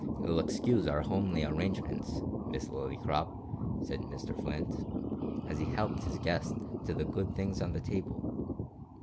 "You'll excuse our homely arrangements, Miss Lillycrop," said Mr Flint, as he helped his guest to the good things on the table.